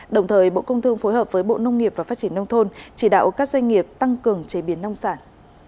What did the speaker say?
đồng thời bộ công thương phối hợp với bộ nông nghiệp và phát triển nông thôn chỉ đạo các doanh nghiệp tăng cường chế biến nông sản